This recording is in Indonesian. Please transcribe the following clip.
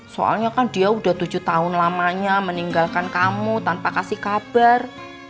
soalnya kan dia udah tujuh tahun lamanya meninggalkan kamu tanpa kasih kabar